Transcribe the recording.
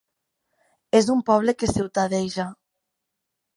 És un poble que ciutadeja.